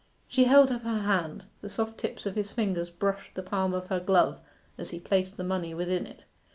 She held up her hand. The soft tips of his fingers brushed the palm of her glove as he placed the money within it.